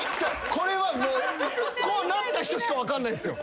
これはこうなった人しか分かんないっすよ。